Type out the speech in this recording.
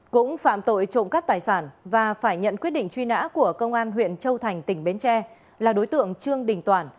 cũng phạm tội trộm cắt tài sản và phải nhận quyết định truy nã của công an huyện châu thành tỉnh bến tre là đối tượng trương đình toản